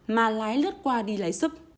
mà lái lướt qua đi lái xúc